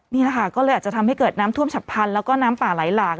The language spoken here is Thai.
นี่แหละค่ะก็เลยอาจจะทำให้เกิดน้ำท่วมฉับพันธุ์แล้วก็น้ำป่าไหลหลาก